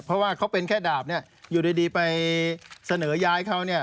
เพราะว่าเขาเป็นแค่ดาบเนี่ยอยู่ดีไปเสนอย้ายเขาเนี่ย